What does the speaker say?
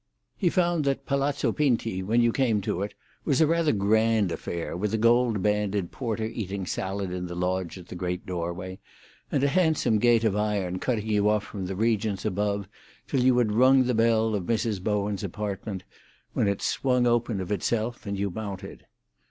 He found that Palazzo Pinti, when you came to it, was rather a grand affair, with a gold banded porter eating salad in the lodge at the great doorway, and a handsome gate of iron cutting you off from the regions above till you had rung the bell of Mrs. Bowen's apartment, when it swung open of itself, and you mounted.